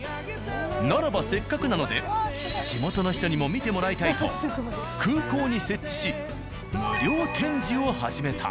ならばせっかくなので地元の人にも見てもらいたいと空港に設置し無料展示を始めた。